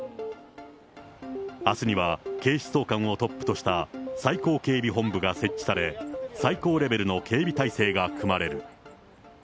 あすには警視総監をトップとした最高警備本部が設置され、最高レベルの警備体制が組まれる。